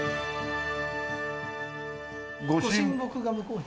御神木が向こうに。